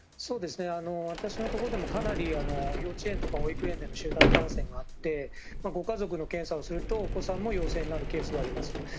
私のところでもかなり幼稚園とか保育園での集団感染があってご家族の検査をするとお子さんも陽性になるケースはあります。